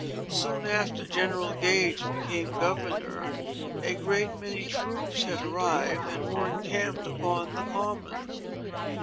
Soon after General Gage became governor, a great many troops had arrived, and were encamped upon the Common.